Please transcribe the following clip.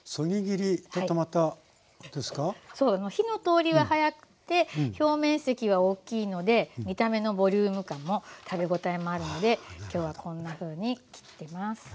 火の通りは早くて表面積は大きいので見た目のボリューム感も食べ応えもあるので今日はこんなふうに切ってます。